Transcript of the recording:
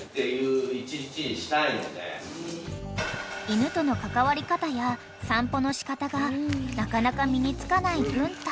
［犬との関わり方や散歩の仕方がなかなか身に付かない文太］